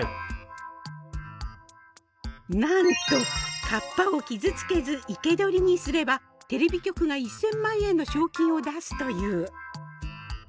なんとカッパを傷つけず生け捕りにすればテレビ局が１，０００万円の賞金を出すという。